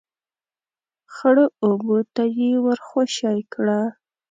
، خړو اوبو ته يې ور خوشی کړه.